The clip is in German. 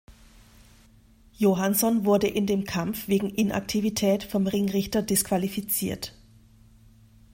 Johansson wurde in dem Kampf wegen Inaktivität vom Ringrichter disqualifiziert.